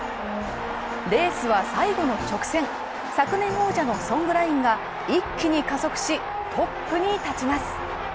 レースは最後の直線、昨年王者のソングラインが一気に加速しトップに立ちます。